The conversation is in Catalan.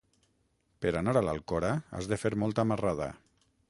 Per anar a l'Alcora has de fer molta marrada.